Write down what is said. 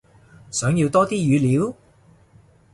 想要多啲語料？